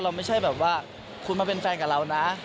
ไม่ใช่แบบว่าคุณมาเป็นแฟนกับเรานะ